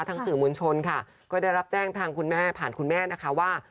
สื่อมวลชนค่ะก็ได้รับแจ้งทางคุณแม่ผ่านคุณแม่นะคะว่า